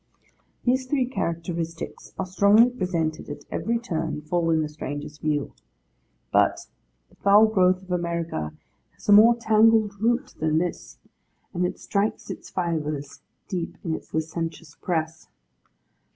These three characteristics are strongly presented at every turn, full in the stranger's view. But, the foul growth of America has a more tangled root than this; and it strikes its fibres, deep in its licentious Press.